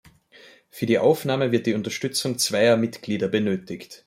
Für die Aufnahme wird die Unterstützung zweier Mitglieder benötigt.